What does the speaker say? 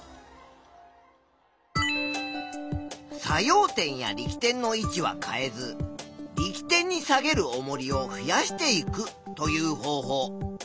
作用点や力点の位置は変えず「力点に下げるおもりを増やしていく」という方法。